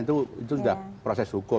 itu sudah proses hukum